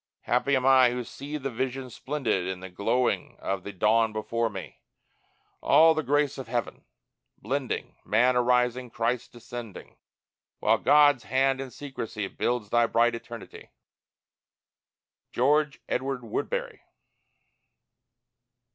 Happy am I who see the Vision splendid In the glowing of the dawn before me, All the grace of heaven blending, Man arising, Christ descending, While God's hand in secrecy Builds thy bright eternity. GEORGE EDWARD WOODBERRY.